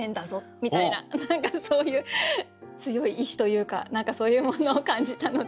みたいな何かそういう強い意志というか何かそういうものを感じたので。